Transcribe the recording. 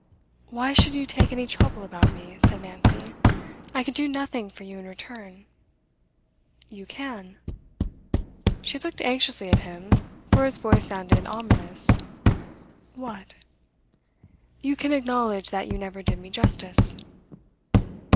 'Why should you take any trouble about me?' said Nancy. 'I can do nothing for you in return.' 'You can.' She looked anxiously at him, for his voice sounded ominous. 'What?' 'You can acknowledge that you never did me justice.